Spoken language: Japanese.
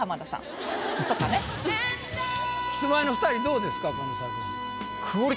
キスマイの２人どうですかこの作品。